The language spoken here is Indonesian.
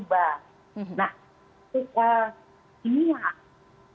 yang sudah kita adalah live music lalu bar